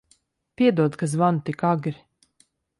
Piedod, ka zvanu tik agri.